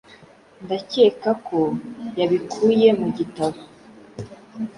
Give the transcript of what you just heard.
Ndakeka ko yabikuye mu gitabo "